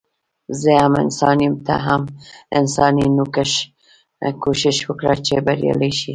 زه هم انسان يم ته هم انسان يي نو کوښښ وکړه چي بريالی شي